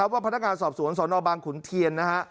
ว่าพนักงานสอบสวนสอนอบังขุนเทียน